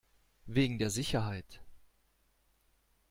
Wegen der Sicherheit.